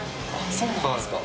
そうなんですか。